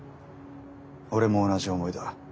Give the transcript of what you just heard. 俺も同じ思いだ。